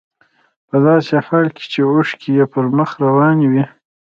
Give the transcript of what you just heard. په داسې حال کې چې اوښکې يې پر مخ روانې وې.